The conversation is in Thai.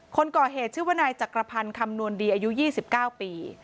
คนก่อเหตุชื่อว่านายจักรพันธ์คำนวณดีอายุ๒๙ปี